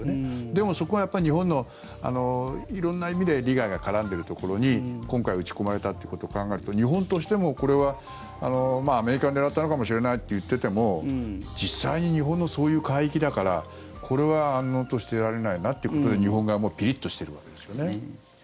でもそこは日本の色んな意味で利害が絡んでいるところに今回、撃ち込まれたということを考えると、日本としてもこれはアメリカを狙ったのかもしれないと言ってても実際に日本のそういう海域だからこれは安穏としていられないなということで日本側もピリッとしているわけですよね。